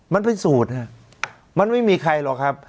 มันเป็นสูตรฮะมันไม่มีใครหรอกครับ